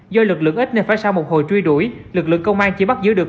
do lực lượng ít nên phải sau một hồi truy đuổi lực lượng công an chỉ bắt giữ được